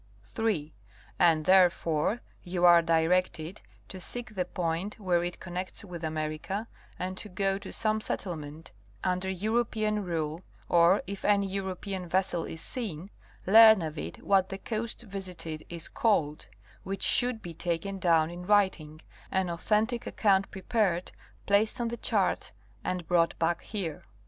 (3.) And therefore [you are directed] to seek the point where it connects with America and to go to some settlement under European rule, or if any European vessel is seen, learn of it what the coast visited is called, which should be taken down in writing, an authentic account prepared, placed on the chart and brought back here.